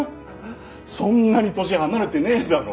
そんなに年離れてねえだろ！